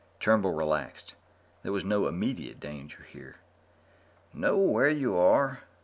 Turnbull relaxed. There was no immediate danger here. "Know where you are?"